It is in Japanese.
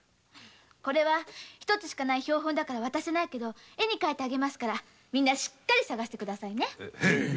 これは大事な標本だから渡せないけど絵に描いてあげるからしっかり探して下さいね。